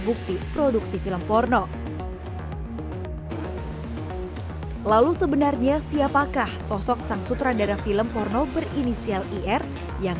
bukti produksi film porno lalu sebenarnya siapakah sosok sang sutradara film porno berinisial ir yang